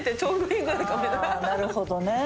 あなるほどね。